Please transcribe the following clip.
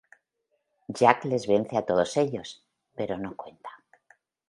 Jack les vence a todos ellos, pero no cuenta.